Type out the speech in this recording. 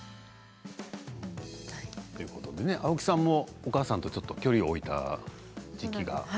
青木さんもお母さんとちょっと距離を置いた時期が。